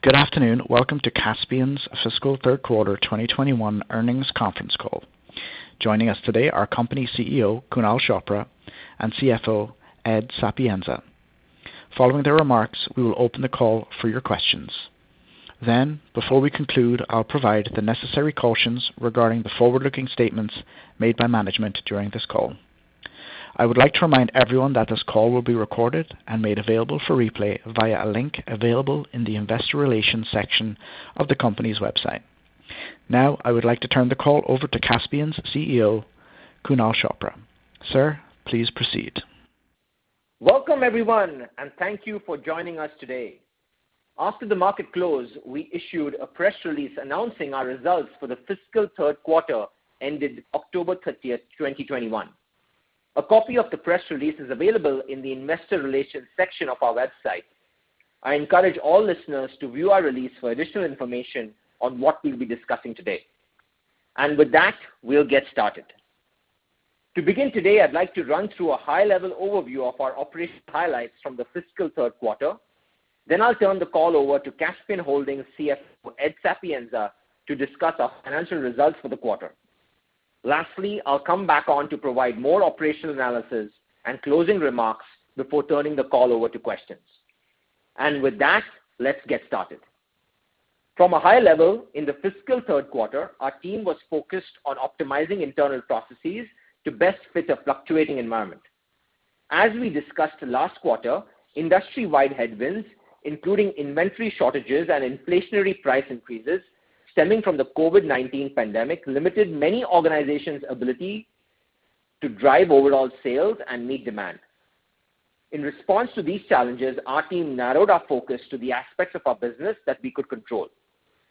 Good afternoon. Welcome to Kaspien's Fiscal Third Quarter 2021 earnings conference call. Joining us today are company CEO, Kunal Chopra, and CFO, Ed Sapienza. Following their remarks, we will open the call for your questions. Before we conclude, I'll provide the necessary cautions regarding the forward-looking statements made by management during this call. I would like to remind everyone that this call will be recorded and made available for replay via a link available in the investor relations section of the company's website. Now, I would like to turn the call over to Kaspien's CEO, Kunal Chopra. Sir, please proceed. Welcome, everyone, and thank you for joining us today. After the market close, we issued a press release announcing our results for the fiscal third quarter ended October 30, 2021. A copy of the press release is available in the investor relations section of our website. I encourage all listeners to view our release for additional information on what we'll be discussing today. With that, we'll get started. To begin today, I'd like to run through a high-level overview of our operation highlights from the fiscal third quarter. I'll turn the call over to Kaspien Holdings' CFO, Ed Sapienza, to discuss our financial results for the quarter. Lastly, I'll come back on to provide more operational analysis and closing remarks before turning the call over to questions. With that, let's get started. From a high level, in the fiscal third quarter, our team was focused on optimizing internal processes to best fit a fluctuating environment. As we discussed last quarter, industry-wide headwinds, including inventory shortages and inflationary price increases stemming from the COVID-19 pandemic, limited many organizations' ability to drive overall sales and meet demand. In response to these challenges, our team narrowed our focus to the aspects of our business that we could control,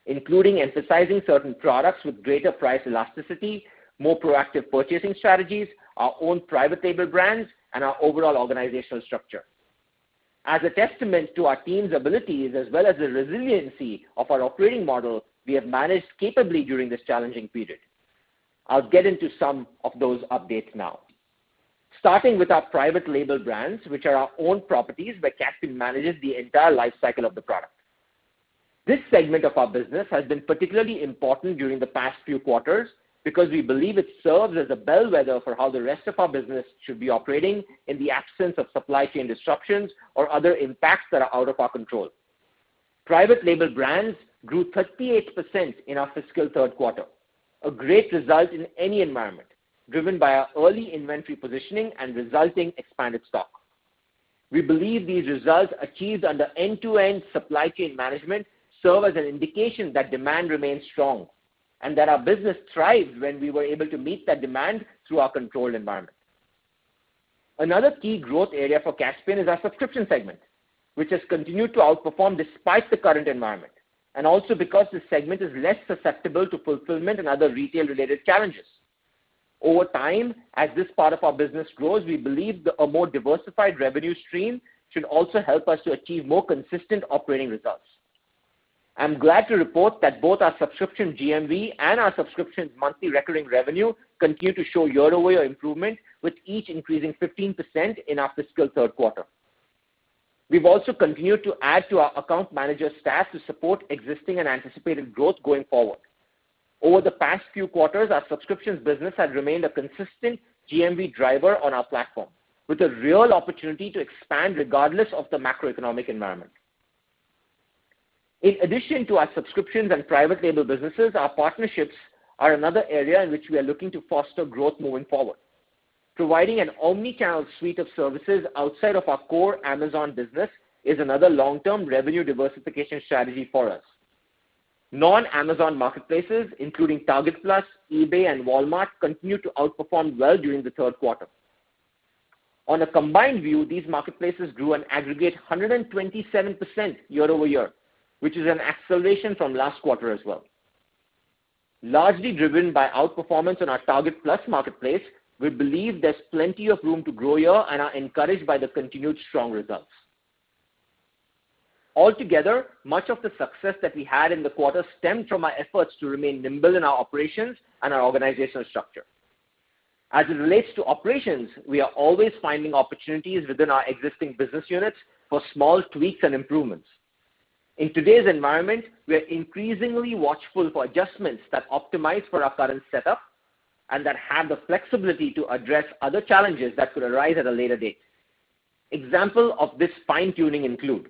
including emphasizing certain products with greater price elasticity, more proactive purchasing strategies, our own private label brands, and our overall organizational structure. As a testament to our team's abilities as well as the resiliency of our operating model, we have managed capably during this challenging period. I'll get into some of those updates now. Starting with our private label brands, which are our own properties where Kaspien manages the entire life cycle of the product. This segment of our business has been particularly important during the past few quarters because we believe it serves as a bellwether for how the rest of our business should be operating in the absence of supply chain disruptions or other impacts that are out of our control. Private label brands grew 38% in our fiscal third quarter, a great result in any environment, driven by our early inventory positioning and resulting expanded stock. We believe these results achieved under end-to-end supply chain management serve as an indication that demand remains strong and that our business thrived when we were able to meet that demand through our controlled environment. Another key growth area for Kaspien is our subscription segment, which has continued to outperform despite the current environment and also because this segment is less susceptible to fulfillment and other retail-related challenges. Over time, as this part of our business grows, we believe a more diversified revenue stream should also help us to achieve more consistent operating results. I'm glad to report that both our subscription GMV and our subscriptions monthly recurring revenue continue to show year-over-year improvement, with each increasing 15% in our fiscal third quarter. We've also continued to add to our account manager staff to support existing and anticipated growth going forward. Over the past few quarters, our subscriptions business has remained a consistent GMV driver on our platform, with a real opportunity to expand regardless of the macroeconomic environment. In addition to our subscriptions and private label businesses, our partnerships are another area in which we are looking to foster growth moving forward. Providing an omni-channel suite of services outside of our core Amazon business is another long-term revenue diversification strategy for us. Non-Amazon marketplaces, including Target Plus, eBay, and Walmart, continue to outperform well during the third quarter. On a combined view, these marketplaces grew an aggregate 127% year-over-year, which is an acceleration from last quarter as well. Largely driven by outperformance on our Target Plus marketplace, we believe there's plenty of room to grow here and are encouraged by the continued strong results. Altogether, much of the success that we had in the quarter stemmed from our efforts to remain nimble in our operations and our organizational structure. As it relates to operations, we are always finding opportunities within our existing business units for small tweaks and improvements. In today's environment, we are increasingly watchful for adjustments that optimize for our current setup and that have the flexibility to address other challenges that could arise at a later date. example of this fine-tuning includes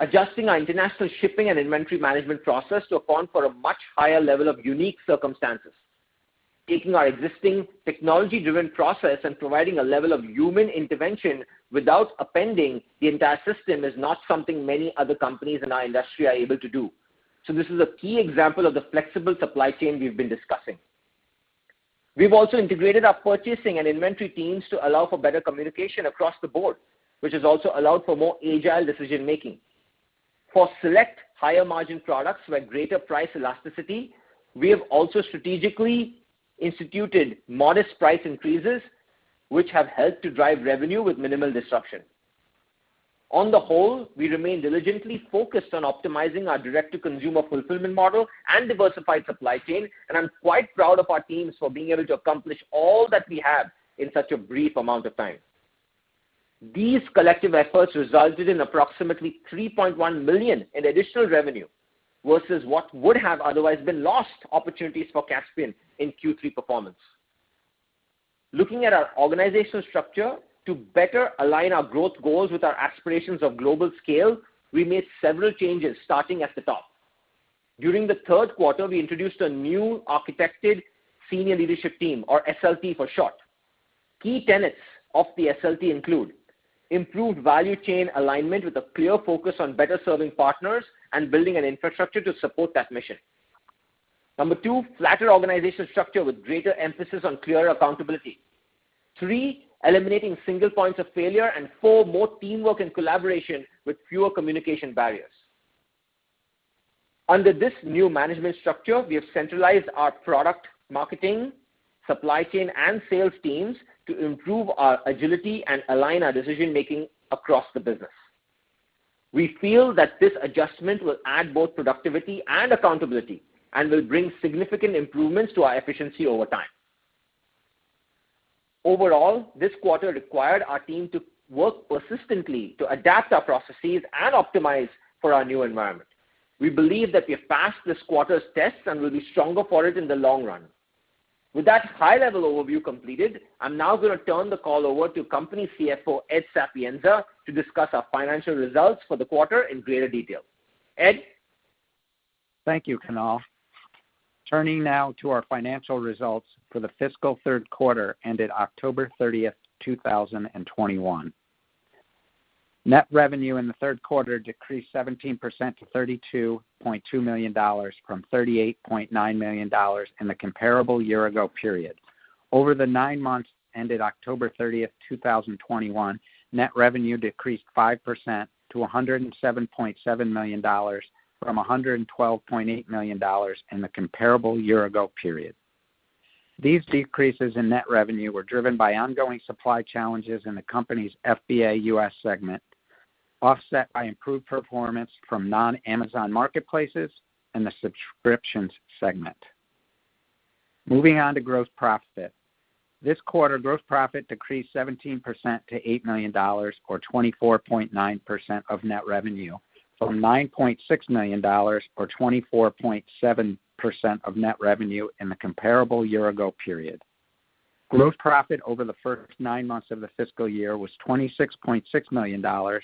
adjusting our international shipping and inventory management process to account for a much higher level of unique circumstances. Taking our existing technology-driven process and providing a level of human intervention without upending the entire system is not something many other companies in our industry are able to do. This is a key example of the flexible supply chain we've been discussing. We've also integrated our purchasing and inventory teams to allow for better communication across the board, which has also allowed for more agile decision-making. For select higher-margin products with greater price elasticity, we have also strategically instituted modest price increases, which have helped to drive revenue with minimal disruption. On the whole, we remain diligently focused on optimizing our direct-to-consumer fulfillment model and diversified supply chain, and I'm quite proud of our teams for being able to accomplish all that we have in such a brief amount of time. These collective efforts resulted in approximately $3.1 million in additional revenue versus what would have otherwise been lost opportunities for Kaspien in Q3 performance. Looking at our organizational structure to better align our growth goals with our aspirations of global scale, we made several changes, starting at the top. During the third quarter, we introduced a new architected senior leadership team, or SLT for short. Key tenets of the SLT include improved value chain alignment with a clear focus on better serving partners and building an infrastructure to support that mission. Number two, flatter organizational structure with greater emphasis on clear accountability. Three, eliminating single points of failure. Four, more teamwork and collaboration with fewer communication barriers. Under this new management structure, we have centralized our product, marketing, supply chain, and sales teams to improve our agility and align our decision-making across the business. We feel that this adjustment will add both productivity and accountability and will bring significant improvements to our efficiency over time. Overall, this quarter required our team to work persistently to adapt our processes and optimize for our new environment. We believe that we have passed this quarter's test and we'll be stronger for it in the long run. With that high-level overview completed, I'm now gonna turn the call over to company CFO, Ed Sapienza, to discuss our financial results for the quarter in greater detail. Ed? Thank you, Kunal. Turning now to our financial results for the fiscal third quarter ended October thirtieth, two thousand and twenty-one. Net revenue in the third quarter decreased 17% to $32.2 million from $38.9 million in the comparable year-ago period. Over the nine months ended October thirtieth, two thousand and twenty-one, net revenue decreased 5% to $107.7 million from $112.8 million in the comparable year-ago period. These decreases in net revenue were driven by ongoing supply challenges in the company's FBA US segment, offset by improved performance from non-Amazon marketplaces and the subscriptions segment. Moving on to gross profit. This quarter, gross profit decreased 17% to $8 million or 24.9% of net revenue from $9.6 million or 24.7% of net revenue in the comparable year-ago period. Gross profit over the first nine months of the fiscal year was $26.6 million or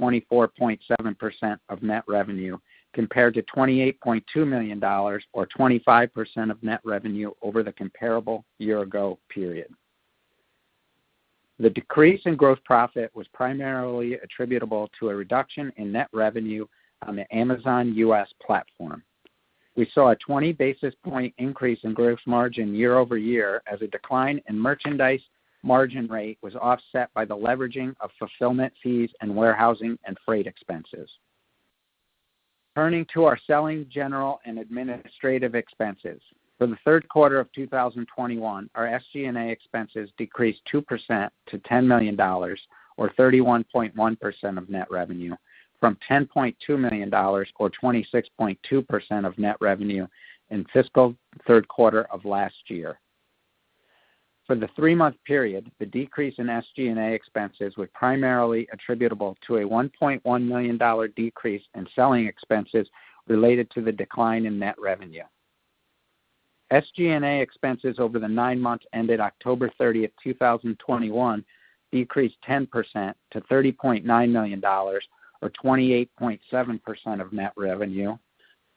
24.7% of net revenue, compared to $28.2 million or 25% of net revenue over the comparable year-ago period. The decrease in gross profit was primarily attributable to a reduction in net revenue on the Amazon U.S. platform. We saw a 20 basis point increase in gross margin year-over-year as a decline in merchandise margin rate was offset by the leveraging of fulfillment fees and warehousing and freight expenses. Turning to our selling, general, and administrative expenses. For the third quarter of 2021, our SG&A expenses decreased 2% to $10 million or 31.1% of net revenue from $10.2 million or 26.2% of net revenue in fiscal third quarter of last year. For the three-month period, the decrease in SG&A expenses were primarily attributable to a $1.1 million decrease in selling expenses related to the decline in net revenue. SG&A expenses over the nine months ended October 30, 2021 decreased 10% to $30.9 million or 28.7% of net revenue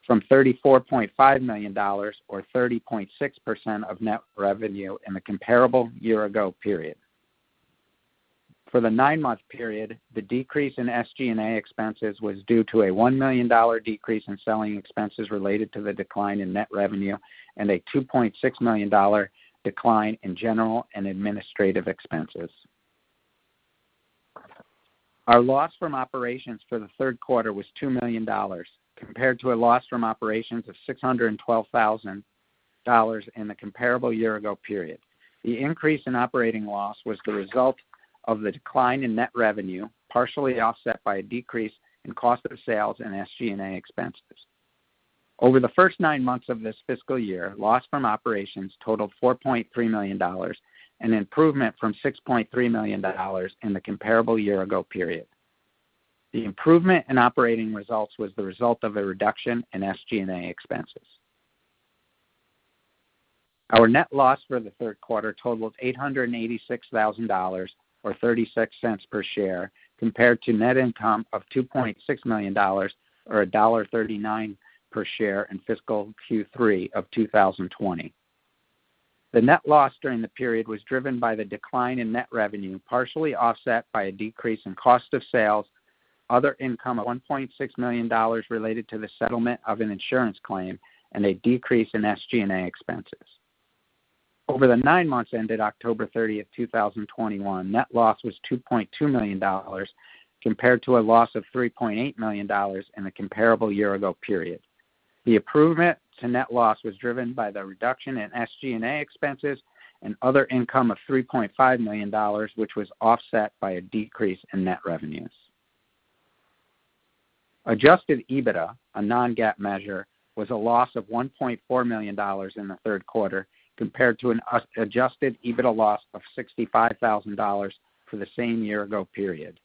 from $34.5 million or 30.6% of net revenue in the comparable year ago period. For the nine-month period, the decrease in SG&A expenses was due to a $1 million decrease in selling expenses related to the decline in net revenue and a $2.6 million decline in general and administrative expenses. Our loss from operations for the third quarter was $2 million, compared to a loss from operations of $612,000 in the comparable year-ago period. The increase in operating loss was the result of the decline in net revenue, partially offset by a decrease in cost of sales and SG&A expenses. Over the first nine months of this fiscal year, loss from operations totaled $4.3 million, an improvement from $6.3 million in the comparable year-ago period. The improvement in operating results was the result of a reduction in SG&A expenses. Our net loss for the third quarter totaled $886,000 or $0.36 per share compared to net income of $2.6 million or $1.39 per share in fiscal Q3 of 2020. The net loss during the period was driven by the decline in net revenue, partially offset by a decrease in cost of sales, other income of $1.6 million related to the settlement of an insurance claim, and a decrease in SG&A expenses. Over the nine months ended October 30, 2021, net loss was $2.2 million compared to a loss of $3.8 million in the comparable year ago period. The improvement to net loss was driven by the reduction in SG&A expenses and other income of $3.5 million, which was offset by a decrease in net revenues. Adjusted EBITDA, a non-GAAP measure, was a loss of $1.4 million in the third quarter compared to an adjusted EBITDA loss of $65,000 for the same year ago period.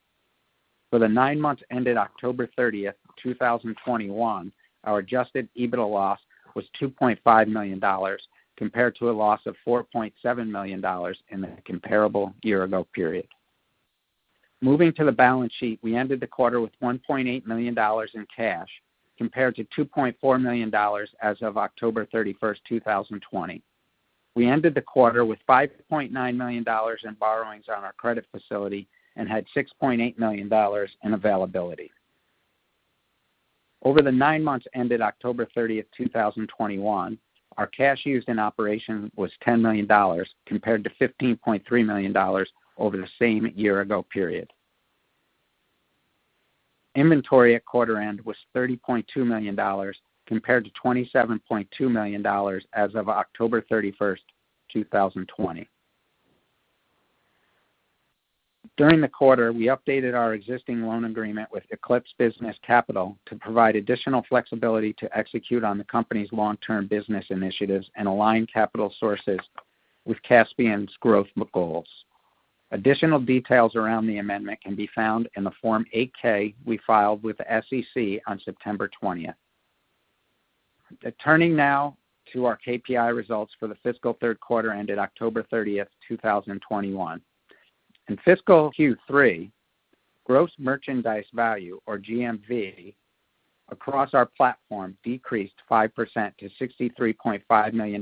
For the nine months ended October 30, 2021, our adjusted EBITDA loss was $2.5 million compared to a loss of $4.7 million in the comparable year ago period. Moving to the balance sheet, we ended the quarter with $1.8 million in cash compared to $2.4 million as of October 31, 2020. We ended the quarter with $5.9 million in borrowings on our credit facility and had $6.8 million in availability. Over the 9 months ended October 30, 2021, our cash used in operations was $10 million compared to $15.3 million over the same year-ago period. Inventory at quarter end was $30.2 million compared to $27.2 million as of October 31, 2020. During the quarter, we updated our existing loan agreement with Eclipse Business Capital to provide additional flexibility to execute on the company's long-term business initiatives and align capital sources with Kaspien's growth goals. Additional details around the amendment can be found in the Form 8-K we filed with the SEC on September 20. Turning now to our KPI results for the fiscal third quarter ended October 30, 2021. In fiscal Q3, gross merchandise value or GMV across our platform decreased 5% to $63.5 million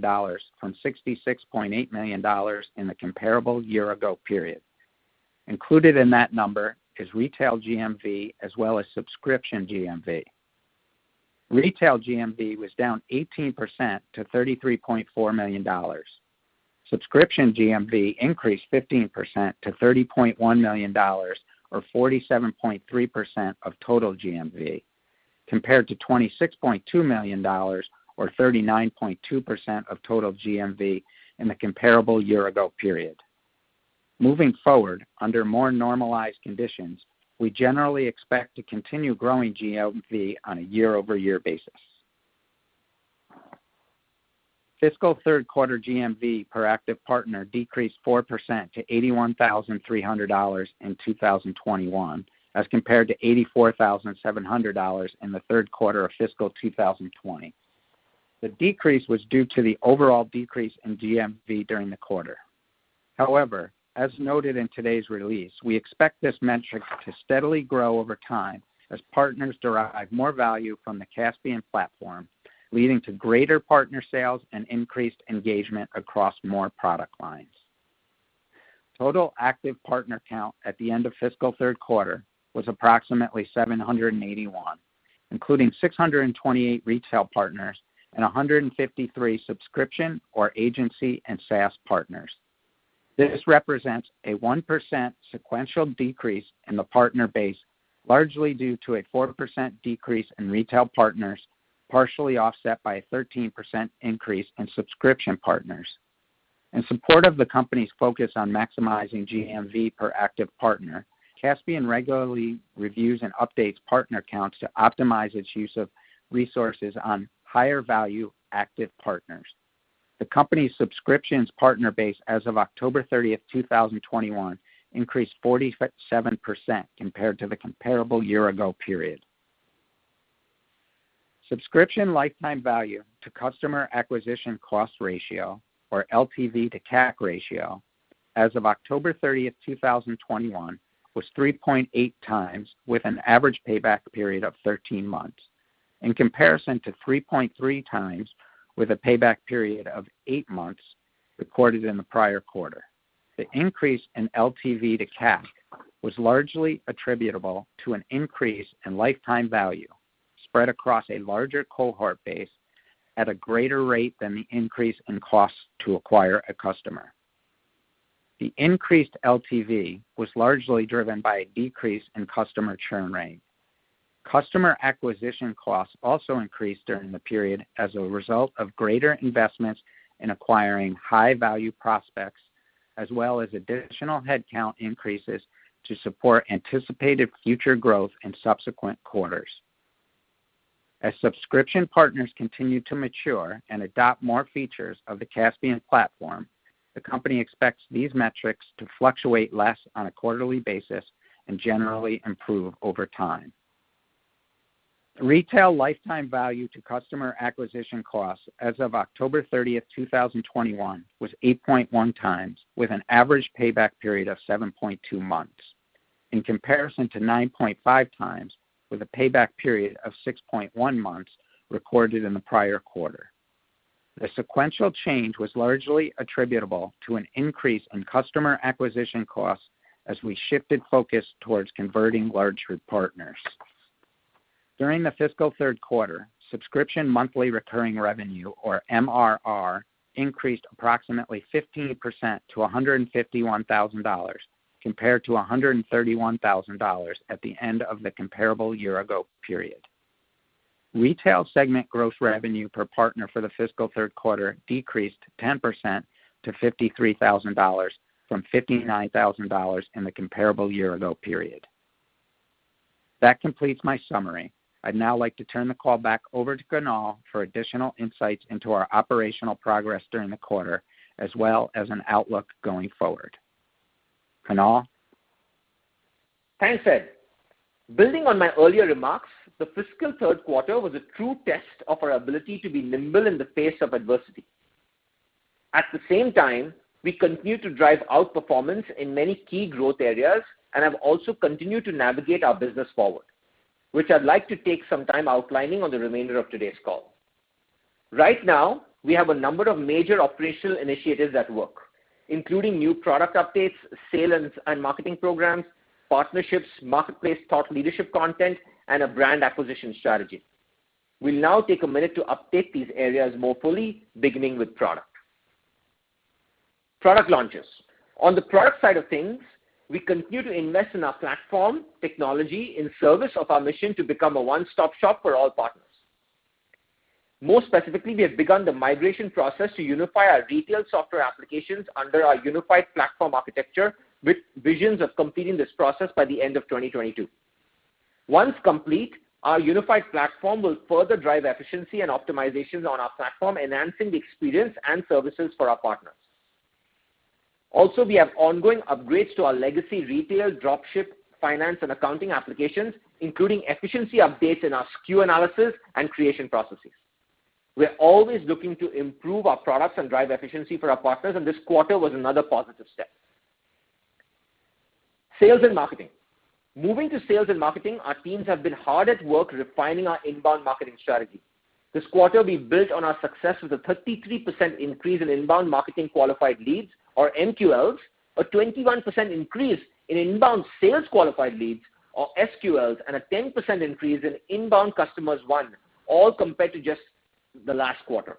from $66.8 million in the comparable year ago period. Included in that number is retail GMV as well as subscription GMV. Retail GMV was down 18% to $33.4 million. Subscription GMV increased 15% to $30.1 million or 47.3% of total GMV, compared to $26.2 million or 39.2% of total GMV in the comparable year ago period. Moving forward, under more normalized conditions, we generally expect to continue growing GMV on a year-over-year basis. Fiscal third quarter GMV per active partner decreased 4% to $81,300 in 2021 as compared to $84,700 in the third quarter of fiscal 2020. The decrease was due to the overall decrease in GMV during the quarter. However, as noted in today's release, we expect this metric to steadily grow over time as partners derive more value from the Kaspien platform, leading to greater partner sales and increased engagement across more product lines. Total active partner count at the end of fiscal third quarter was approximately 781, including 628 retail partners and 153 subscription or agency and SaaS partners. This represents a 1% sequential decrease in the partner base, largely due to a 4% decrease in retail partners, partially offset by a 13% increase in subscription partners. In support of the company's focus on maximizing GMV per active partner, Kaspien regularly reviews and updates partner counts to optimize its use of resources on higher value active partners. The company's subscriptions partner base as of October 30, 2021, increased 47% compared to the comparable year ago period. Subscription lifetime value to customer acquisition cost ratio or LTV to CAC ratio as of October 30, 2021, was 3.8 times with an average payback period of 13 months, in comparison to 3.3 times with a payback period of 8 months recorded in the prior quarter. The increase in LTV to CAC was largely attributable to an increase in lifetime value spread across a larger cohort base at a greater rate than the increase in cost to acquire a customer. The increased LTV was largely driven by a decrease in customer churn rate. Customer acquisition costs also increased during the period as a result of greater investments in acquiring high value prospects, as well as additional headcount increases to support anticipated future growth in subsequent quarters. As subscription partners continue to mature and adopt more features of the Kaspien platform, the company expects these metrics to fluctuate less on a quarterly basis and generally improve over time. Retail lifetime value to customer acquisition costs as of October 30, 2021, was 8.1 times with an average payback period of 7.2 months, in comparison to 9.5 times with a payback period of 6.1 months recorded in the prior quarter. The sequential change was largely attributable to an increase in customer acquisition costs as we shifted focus towards converting large partners. During the fiscal third quarter, subscription monthly recurring revenue or MRR increased approximately 15% to $151,000 compared to $131,000 at the end of the comparable year-ago period. Retail segment gross revenue per partner for the fiscal third quarter decreased 10% to $53,000 from $59,000 in the comparable year-ago period. That completes my summary. I'd now like to turn the call back over to Kunal for additional insights into our operational progress during the quarter, as well as an outlook going forward. Kunal. Thanks, Ed. Building on my earlier remarks, the fiscal third quarter was a true test of our ability to be nimble in the face of adversity. At the same time, we continue to drive outperformance in many key growth areas and have also continued to navigate our business forward, which I'd like to take some time outlining on the remainder of today's call. Right now, we have a number of major operational initiatives at work, including new product updates, sales and marketing programs, partnerships, marketplace thought leadership content, and a brand acquisition strategy. We'll now take a minute to update these areas more fully, beginning with product. Product launches. On the product side of things, we continue to invest in our platform, technology in service of our mission to become a one-stop shop for all partners. More specifically, we have begun the migration process to unify our detailed software applications under our unified platform architecture, with visions of completing this process by the end of 2022. Once complete, our unified platform will further drive efficiency and optimizations on our platform, enhancing the experience and services for our partners. Also, we have ongoing upgrades to our legacy retail, dropship, finance, and accounting applications, including efficiency updates in our SKU analysis and creation processes. We're always looking to improve our products and drive efficiency for our partners, and this quarter was another positive step. Sales and Marketing. Moving to sales and marketing, our teams have been hard at work refining our inbound marketing strategy. This quarter, we've built on our success with a 33% increase in inbound marketing qualified leads or MQLs, a 21% increase in inbound sales qualified leads or SQLs, and a 10% increase in inbound customers won, all compared to just the last quarter.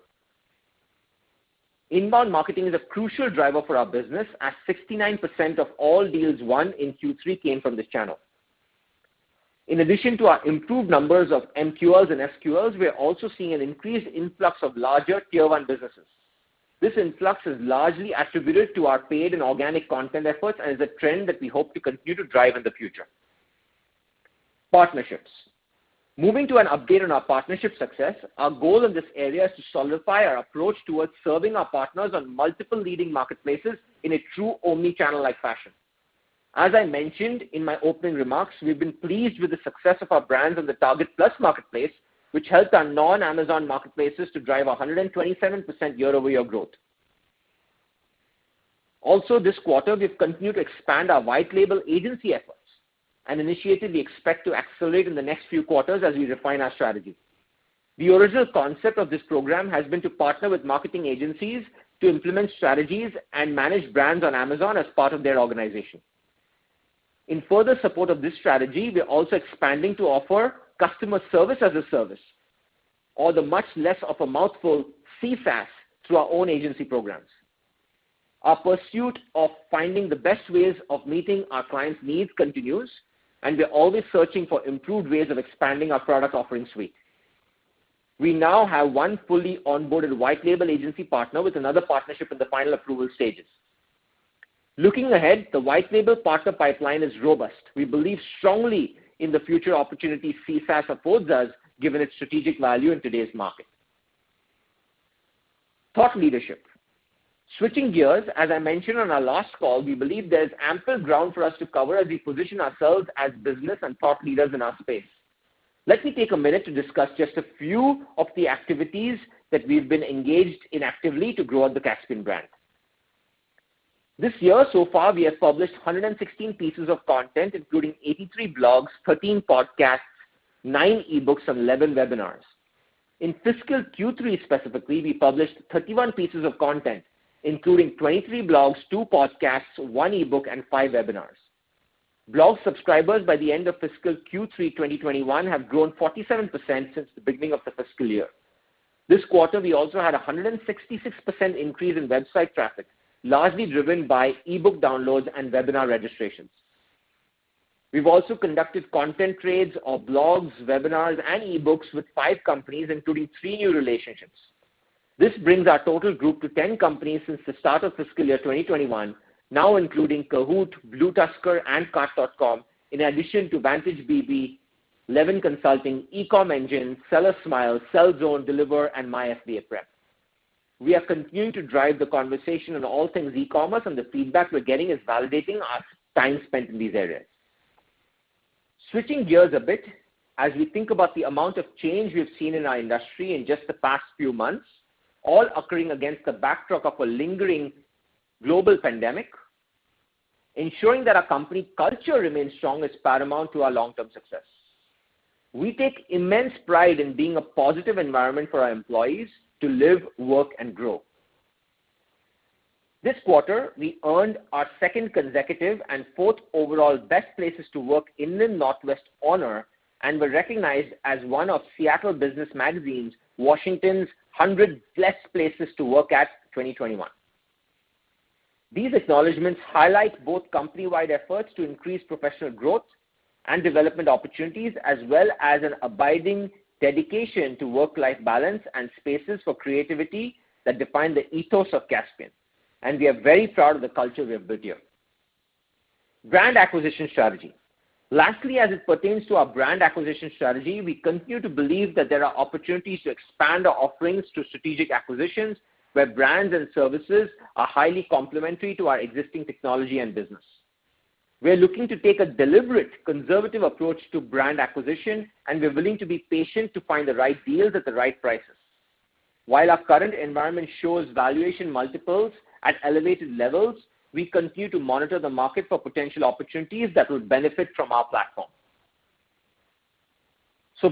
Inbound marketing is a crucial driver for our business as 69% of all deals won in Q3 came from this channel. In addition to our improved numbers of MQLs and SQLs, we are also seeing an increased influx of larger Tier 1 businesses. This influx is largely attributed to our paid and organic content efforts and is a trend that we hope to continue to drive in the future. Partnerships. Moving to an update on our partnership success, our goal in this area is to solidify our approach towards serving our partners on multiple leading marketplaces in a true omni-channel-like fashion. As I mentioned in my opening remarks, we've been pleased with the success of our brands on the Target Plus marketplace, which helped our non-Amazon marketplaces to drive 127% year-over-year growth. Also this quarter, we've continued to expand our white label agency efforts, an initiative we expect to accelerate in the next few quarters as we refine our strategy. The original concept of this program has been to partner with marketing agencies to implement strategies and manage brands on Amazon as part of their organization. In further support of this strategy, we're also expanding to offer customer service as a service or the much less of a mouthful, CSAS, through our own agency programs. Our pursuit of finding the best ways of meeting our clients' needs continues, and we're always searching for improved ways of expanding our product offering suite. We now have one fully onboarded white label agency partner with another partnership in the final approval stages. Looking ahead, the white label partner pipeline is robust. We believe strongly in the future opportunities CSAS affords us, given its strategic value in today's market. Thought leadership. Switching gears, as I mentioned on our last call, we believe there's ample ground for us to cover as we position ourselves as business and thought leaders in our space. Let me take a minute to discuss just a few of the activities that we've been engaged in actively to grow out the Kaspien brand. This year so far, we have published 116 pieces of content, including 83 blogs, 13 podcasts, nine e-books, and 11 webinars. In fiscal Q3 specifically, we published 31 pieces of content, including 23 blogs, two podcasts, one e-book, and five webinars. Blog subscribers by the end of fiscal Q3 2021 have grown 47% since the beginning of the fiscal year. This quarter, we also had a 166% increase in website traffic, largely driven by e-book downloads and webinar registrations. We've also conducted content trades of blogs, webinars, and e-books with 5 companies, including 3 new relationships. This brings our total group to 10 companies since the start of fiscal year 2021, now including Kahoot!, Blue Tusker, and Cars.com, in addition to VantageBP, Levin Consulting, eComEngine, SellerSmile, Sellzone, Deliver, and MyFBAPrep. We are continuing to drive the conversation on all things e-commerce, and the feedback we're getting is validating our time spent in these areas. Switching gears a bit, as we think about the amount of change we've seen in our industry in just the past few months, all occurring against the backdrop of a lingering global pandemic, ensuring that our company culture remains strong is paramount to our long-term success. We take immense pride in being a positive environment for our employees to live, work, and grow. This quarter, we earned our second consecutive and fourth overall Best Places to Work Inland Northwest honor, and were recognized as one of Seattle Business Magazine's Washington's 100 Best Places to Work for 2021. These acknowledgments highlight both company-wide efforts to increase professional growth and development opportunities, as well as an abiding dedication to work-life balance and spaces for creativity that define the ethos of Kaspien, and we are very proud of the culture we have built here. Brand acquisition strategy. Lastly, as it pertains to our brand acquisition strategy, we continue to believe that there are opportunities to expand our offerings to strategic acquisitions, where brands and services are highly complementary to our existing technology and business. We are looking to take a deliberate conservative approach to brand acquisition, and we're willing to be patient to find the right deals at the right prices. While our current environment shows valuation multiples at elevated levels, we continue to monitor the market for potential opportunities that will benefit from our platform.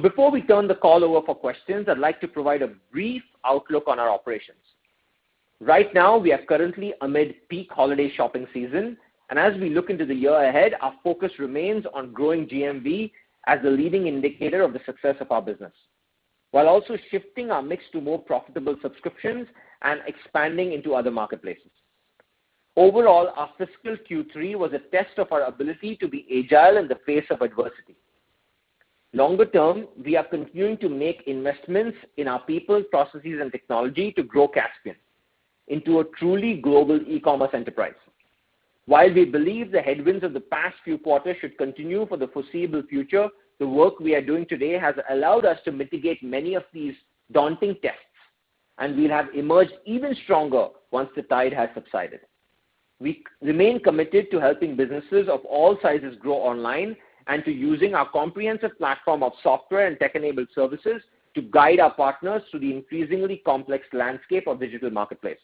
Before we turn the call over for questions, I'd like to provide a brief outlook on our operations. Right now, we are currently amid peak holiday shopping season, and as we look into the year ahead, our focus remains on growing GMV as a leading indicator of the success of our business, while also shifting our mix to more profitable subscriptions and expanding into other marketplaces. Overall, our fiscal Q3 was a test of our ability to be agile in the face of adversity. Longer term, we are continuing to make investments in our people, processes, and technology to grow Kaspien into a truly global e-commerce enterprise. While we believe the headwinds of the past few quarters should continue for the foreseeable future, the work we are doing today has allowed us to mitigate many of these daunting tests, and we have emerged even stronger once the tide has subsided. We remain committed to helping businesses of all sizes grow online and to using our comprehensive platform of software and tech-enabled services to guide our partners through the increasingly complex landscape of digital marketplaces.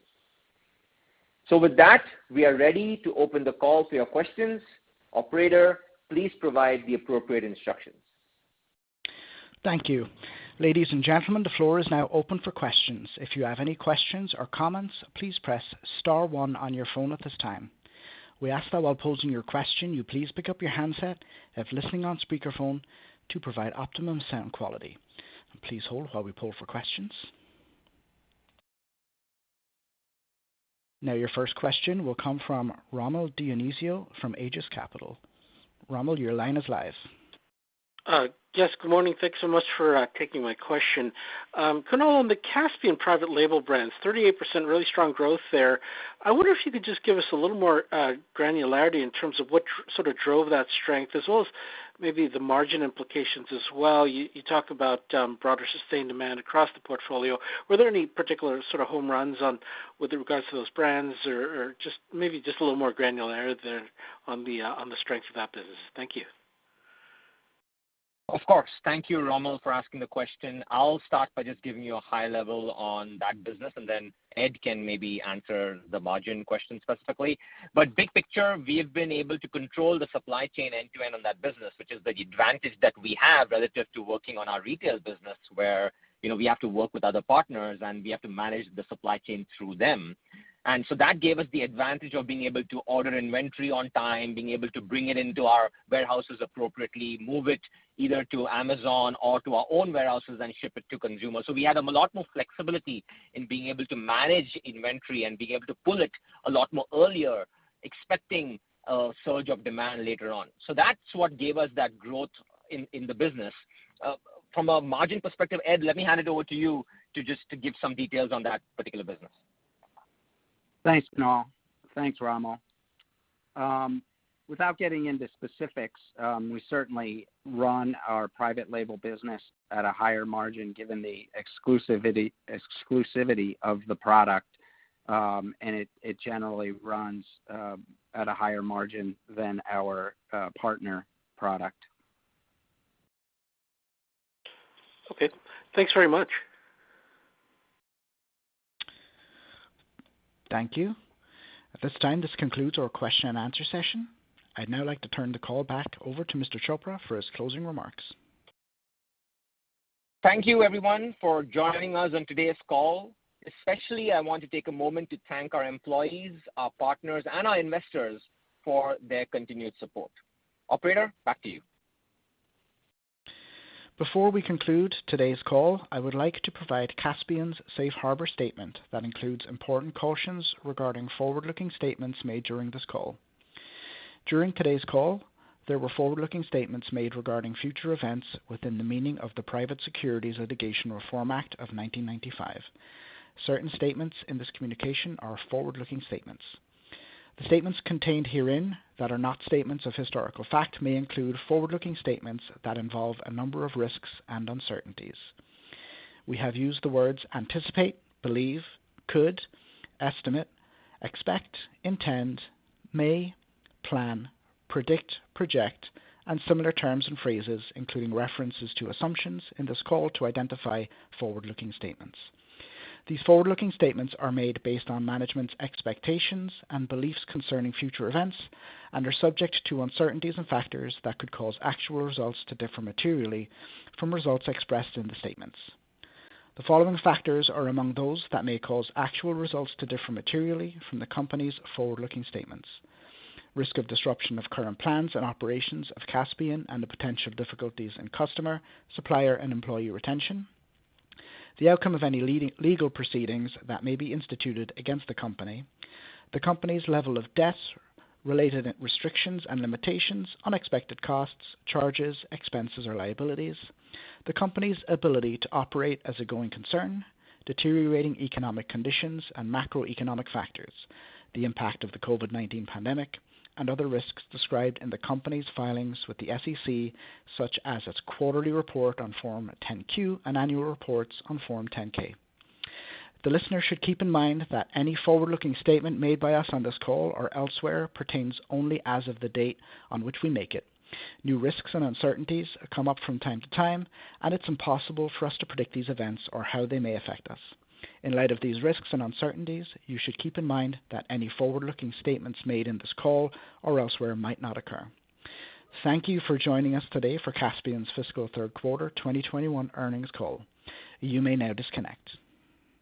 With that, we are ready to open the call to your questions. Operator, please provide the appropriate instructions. Thank you. Ladies and gentlemen, the floor is now open for questions. If you have any questions or comments, please press star one on your phone at this time. We ask that while posing your question, you please pick up your handset if listening on speakerphone to provide optimum sound quality. Please hold while we poll for questions. Now, your first question will come from Rommel Dionisio from Aegis Capital. Rommel, your line is live. Yes, good morning. Thanks so much for taking my question. Kunal, on the Kaspien private label brands, 38%, really strong growth there. I wonder if you could just give us a little more granularity in terms of what sort of drove that strength as well as maybe the margin implications as well. You talk about broader sustained demand across the portfolio. Were there any particular sort of home runs on with regards to those brands or just maybe a little more granularity there on the strengths of that business? Thank you. Of course. Thank you, Rommel, for asking the question. I'll start by just giving you a high level on that business, and then Ed can maybe answer the margin question specifically. Big picture, we have been able to control the supply chain end-to-end on that business, which is the advantage that we have relative to working on our retail business where, you know, we have to work with other partners, and we have to manage the supply chain through them. That gave us the advantage of being able to order inventory on time, being able to bring it into our warehouses appropriately, move it either to Amazon or to our own warehouses, and ship it to consumers. We had a lot more flexibility in being able to manage inventory and being able to pull it a lot more earlier, expecting a surge of demand later on. That's what gave us that growth in the business. From a margin perspective, Ed, let me hand it over to you to just give some details on that particular business. Thanks, Kunal. Thanks, Rommel. Without getting into specifics, we certainly run our private label business at a higher margin given the exclusivity of the product, and it generally runs at a higher margin than our partner product. Okay. Thanks very much. Thank you. At this time, this concludes our question and answer session. I'd now like to turn the call back over to Mr. Chopra for his closing remarks. Thank you, everyone, for joining us on today's call. Especially, I want to take a moment to thank our employees, our partners, and our investors for their continued support. Operator, back to you. Before we conclude today's call, I would like to provide Kaspien's Safe Harbor statement that includes important cautions regarding forward-looking statements made during this call. During today's call, there were forward-looking statements made regarding future events within the meaning of the Private Securities Litigation Reform Act of 1995. Certain statements in this communication are forward-looking statements. The statements contained herein that are not statements of historical fact may include forward-looking statements that involve a number of risks and uncertainties. We have used the words anticipate, believe, could, estimate, expect, intend, may, plan, predict, project, and similar terms and phrases, including references to assumptions in this call to identify forward-looking statements. These forward-looking statements are made based on management's expectations and beliefs concerning future events and are subject to uncertainties and factors that could cause actual results to differ materially from results expressed in the statements. The following factors are among those that may cause actual results to differ materially from the company's forward-looking statements. Risk of disruption of current plans and operations of Kaspien and the potential difficulties in customer, supplier, and employee retention, the outcome of any legal proceedings that may be instituted against the company, the company's level of debt, related restrictions and limitations, unexpected costs, charges, expenses, or liabilities, the company's ability to operate as a going concern, deteriorating economic conditions and macroeconomic factors, the impact of the COVID-19 pandemic, and other risks described in the company's filings with the SEC, such as its quarterly report on Form 10-Q and annual reports on Form 10-K. The listener should keep in mind that any forward-looking statement made by us on this call or elsewhere pertains only as of the date on which we make it. New risks and uncertainties come up from time to time, and it's impossible for us to predict these events or how they may affect us. In light of these risks and uncertainties, you should keep in mind that any forward-looking statements made in this call or elsewhere might not occur. Thank you for joining us today for Kaspien's fiscal third quarter 2021 earnings call. You may now disconnect.